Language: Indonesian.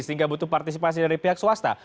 sehingga butuh partisipasi dari pihak swasta